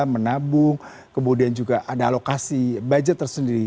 menabung kemudian juga ada alokasi budget tersendiri